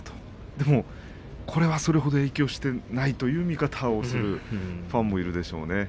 でも、これはそれほど影響していないという見方をするファンもいるでしょうね。